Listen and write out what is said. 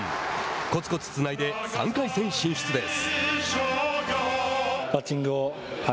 コツコツつないで３回戦進出です。